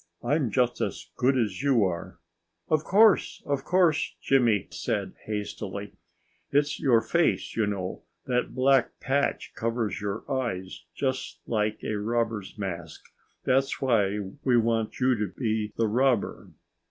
I'm just as good as you are!" "Of course, of course!" Jimmy said hastily. "It's your face, you know, That black patch covers your eyes just like a robber's mask. That's why we want you to be the robber."